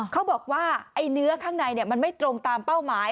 เขาบอกว่าไอ้เนื้อข้างในมันไม่ตรงตามเป้าหมาย